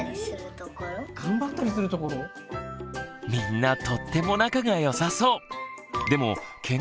みんなとっても仲がよさそう！